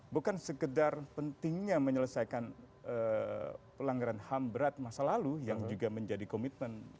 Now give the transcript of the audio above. bukan sekedar pentingnya menyelesaikan pelanggaran ham berat masa lalu yang juga menjadi komitmen